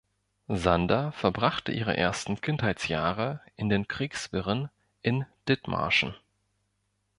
Sander verbrachte ihre ersten Kindheitsjahre in den Kriegswirren in Dithmarschen.